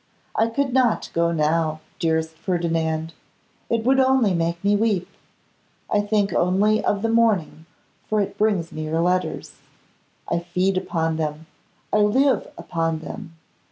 I could not go now, dearest Ferdinand; it would only make me weep. I think only of the morning, for it brings me your letters. I feed upon them, I live upon them.